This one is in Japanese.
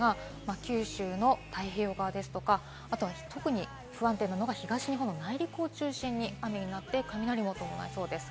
九州の太平洋側ですとか、特に不安定なのが東日本の内陸を中心に雨になって雷を伴いそうです。